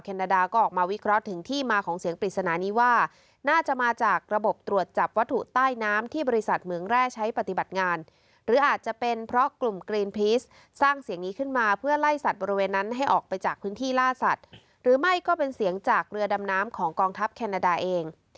ก็ไล่สัตว์บริเวณนั้นให้ออกไปจากพื้นที่ล่าสัตว์หรือไม่ก็เป็นเสียงจากเรือดำน้ำของกองทัพแคนาดาเอง